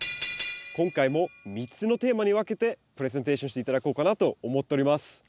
今回も３つのテーマに分けてプレゼンテーションして頂こうかなと思っております。